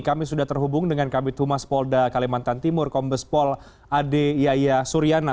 kami sudah terhubung dengan kabupaten tumas polda kalimantan timur kombes pol ade yaya suriana